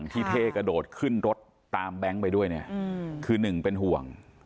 ที่เท่กระโดดขึ้นรถตามแบงค์ไปด้วยเนี่ยคือหนึ่งเป็นห่วง